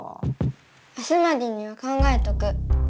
明日までには考えとく。